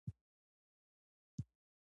مفکر علي شریعیتي ته یوه خبره منسوبه ده.